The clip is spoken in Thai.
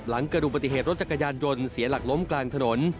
กระดูกปฏิเหตุรถจักรยานยนต์เสียหลักล้มกลางถนน